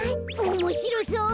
おもしろそう！